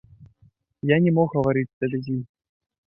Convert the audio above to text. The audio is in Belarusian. Я не мог гаварыць тады з ім.